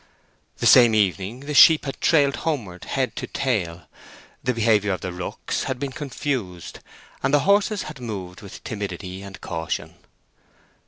The same evening the sheep had trailed homeward head to tail, the behaviour of the rooks had been confused, and the horses had moved with timidity and caution.